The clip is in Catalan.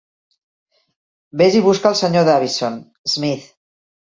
Ves i busca al Sr. Davison, Smith.